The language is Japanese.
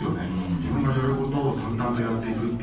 自分がやることを淡々とやっていく。